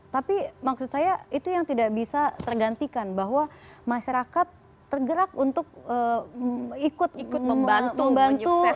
tapi maksud saya itu yang tidak bisa tergantikan bahwa masyarakat tergerak untuk ikut membantu